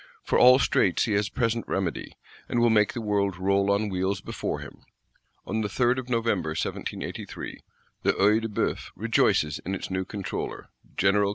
For all straits he has present remedy, and will make the world roll on wheels before him. On the 3d of November 1783, the Œil de Bœuf rejoices in its new Controller General.